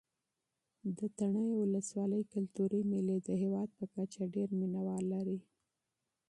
د تڼیو ولسوالۍ کلتوري مېلې د هېواد په کچه ډېر مینه وال لري.